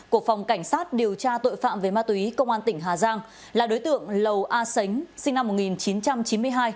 của phòng cảnh sát điều tra tội phạm về ma túy công an tỉnh hà giang là đối tượng lầu a sánh sinh năm một nghìn chín trăm chín mươi hai